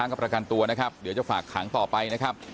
ก็ประกันตัวนะครับเดี๋ยวจะฝากขังต่อไปนะครับ